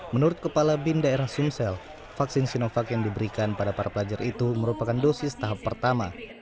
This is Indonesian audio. menurut kepala bin daerah sumsel vaksin sinovac yang diberikan pada para pelajar itu merupakan dosis tahap pertama